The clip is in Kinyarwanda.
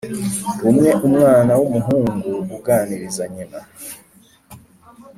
rumwe umwana wumuhungu uganiza nyina